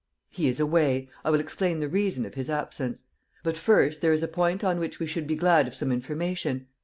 "He is away. I will explain the reason of his absence. But, first, there is a point on which we should be glad of some information.